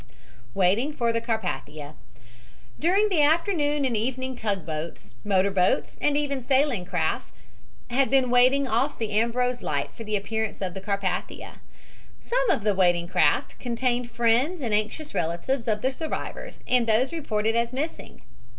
WAITING FOR CARPATHIA During the afternoon and evening tugboats, motor boats and even sailing craft, had been waiting off the Ambrose Light for the appearance of the Carpathia. Some of the waiting craft contained friends and anxious relatives of the survivors and those reported as missing.